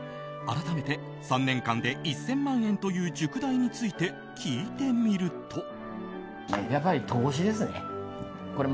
改めて３年間で１０００万円という塾代について聞いてみると。